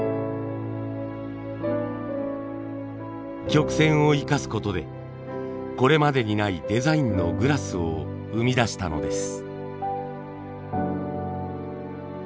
曲線を生かすことでこれまでにないデザインのグラスを生み出したのです。